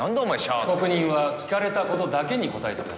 被告人は聞かれた事だけに答えてください。